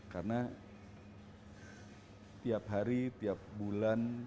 karena tiap hari tiap bulan tiap tahun selalu ada sesuatu yang berbeda